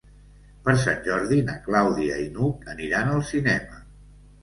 Per Sant Jordi na Clàudia i n'Hug aniran al cinema.